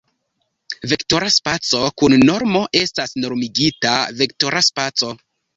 Vektora spaco kun normo estas normigita vektora spaco.